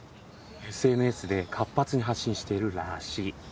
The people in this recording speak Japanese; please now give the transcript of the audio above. ＳＮＳで活発に発信してるらしい。